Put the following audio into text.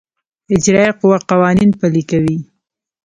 اجرائیه قوه قوانین پلي کوي